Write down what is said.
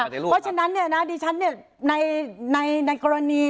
เพราะฉะนั้นเนี่ย